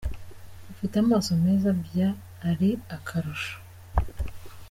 Ufite amaso meza bya ari akarusho.